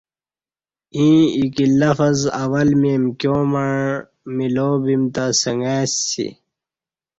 ییں اکی لفظ اول می امکیاں مع مِلا بِیم تہ سنگئ س